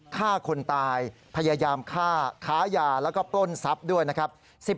ฆ่าคนตายพยายามฆ่าค้ายาแล้วก็ปล้นทรัพย์ด้วยนะครับ